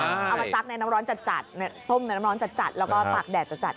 เอามาซักในน้ำร้อนจัดต้มน้ำร้อนจัดแล้วก็ตากแดดจัด